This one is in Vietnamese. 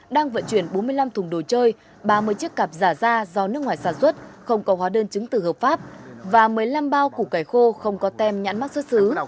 đang vận chuyển bốn mươi năm thùng đồ chơi ba mươi chiếc cặp giả da do nước ngoài sản xuất không có hóa đơn chứng tử hợp pháp và một mươi năm bao củ cải khô không có tem nhãn mắc xuất xứ